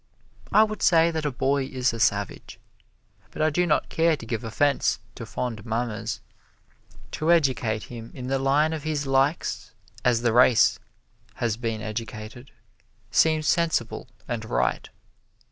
I would say that a boy is a savage, but I do not care to give offense to fond mammas. To educate him in the line of his likes, as the race has been educated, seems sensible and right.